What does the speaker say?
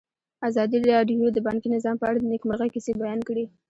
ازادي راډیو د بانکي نظام په اړه د نېکمرغۍ کیسې بیان کړې.